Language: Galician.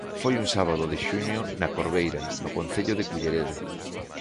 Foi un sábado de xuño, na Corveira, no concello de Culleredo.